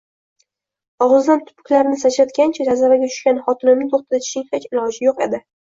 Og'zidan tupuklarini sachratgancha jazavaga tushgan xotinimni to'xtatishning xech iloji yo'q edi